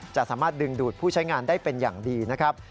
จะสามารถดึงดูดผู้ใช้งานได้เป็นอย่างดีนะครับ